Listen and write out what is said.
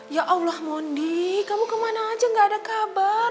ya allah mondi kamu kemana aja gak ada kabar